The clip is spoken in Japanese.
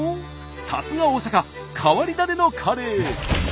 さすが大阪変わり種のカレー！